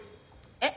えっ？